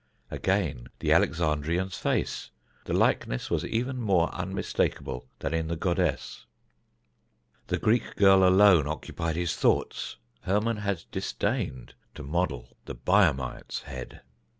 Again the Alexandrian's face the likeness was even more unmistakable than in the goddess. The Greek girl alone occupied his thoughts. Hermon had disdained to model the Biamite's head.